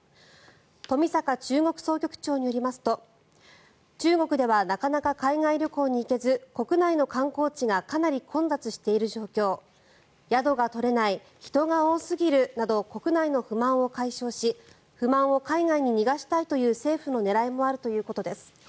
冨坂中国総局長によりますと中国ではなかなか海外旅行に行けず国内の観光地がかなり混雑している状況宿が取れない、人が多すぎるなど国内の不満を解消し不満を海外に逃がしたいという政府の狙いもあるということです。